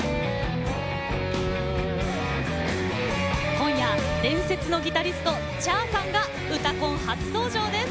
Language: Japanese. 今夜、伝説のギタリストＣｈａｒさんが「うたコン」初登場です。